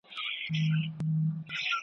له سهاره تر ماښامه په ژړا یو.